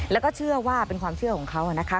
แล้วก็เชื่อว่าเป็นความเชื่อของเขานะคะ